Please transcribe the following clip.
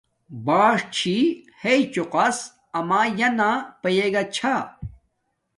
باݽ چھی ہݶ چوقس اما یانا پہے گا چھا